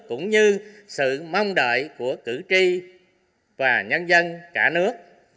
cũng như sự mong đợi của cử tri và nhân dân cả nước